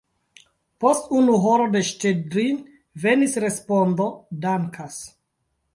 Post unu horo de Ŝĉedrin venis respondo: « Dankas!"